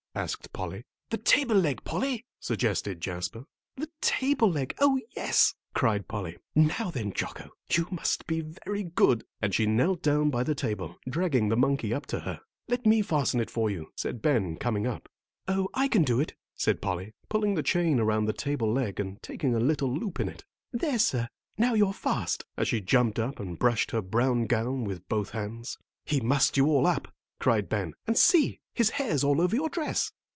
asked Polly. "The table leg, Polly," suggested Jasper. "The table leg, oh, yes," cried Polly. "Now then, Jocko, you must be very good," and she knelt down by the table, dragging the monkey up to her. "Let me fasten it for you," said Ben, coming up. "Oh, I can do it," said Polly, pulling the chain around the table leg and taking a little loop in it. "There, sir! Now you're fast!" as she jumped up and brushed her brown gown with both hands. "He's mussed you all up," cried Ben; "and see, his hair's all over your dress."